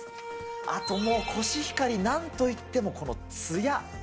あともう、コシヒカリ、なんといってもこのつや。